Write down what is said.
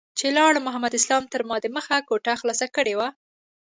چې لاړم محمد اسلام تر ما دمخه کوټه خلاصه کړې وه.